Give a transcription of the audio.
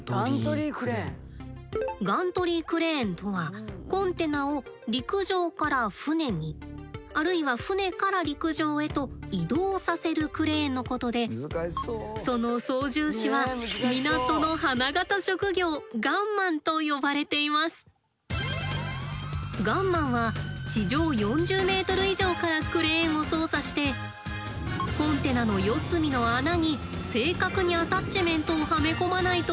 ガントリークレーンとはコンテナを陸上から船にあるいは船から陸上へと移動させるクレーンのことでその操縦士はガンマンは地上４０ｍ以上からクレーンを操作してコンテナの四隅の穴に正確にアタッチメントをはめ込まないといけません。